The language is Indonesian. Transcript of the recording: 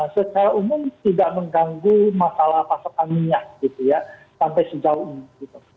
secara umum tidak mengganggu masalah pasokan minyak gitu ya sampai sejauh ini gitu